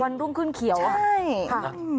วันรุ่งขึ้นเขียวอ่ะ